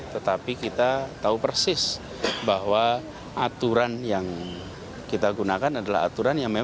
tetapi kita tahu persis bahwa aturan yang kita gunakan adalah aturan yang berbeda